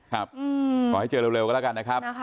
ขอให้เจอเร็วก็แล้วกันนะครับ